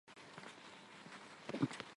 Հարուստ է կարմրախայտ ձկով։